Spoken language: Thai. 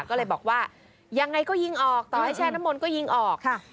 ก็เลยบอกว่ายังไงก็ยิงออกต่อให้แช่น้ำมนต์ก็ยิงออก